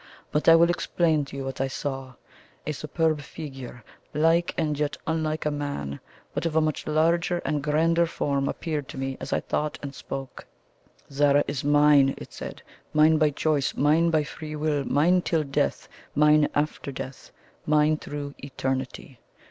But I will explain to you what I saw. A superb figure, like, and yet unlike, a man, but of a much larger and grander form, appeared to me, as I thought, and spoke. 'Zara is mine,' it said 'mine by choice; mine by freewill; mine till death; mine after death; mine through eternity.